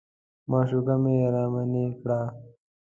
معشوقه مې رامنې کړه.